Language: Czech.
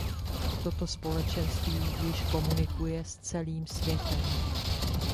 Toto společenství již komunikuje s celým světem.